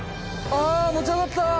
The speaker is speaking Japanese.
あ持ち上がった！